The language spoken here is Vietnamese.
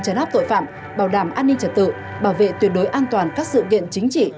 chấn áp tội phạm bảo đảm an ninh trật tự bảo vệ tuyệt đối an toàn các sự kiện chính trị